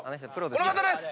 この方です。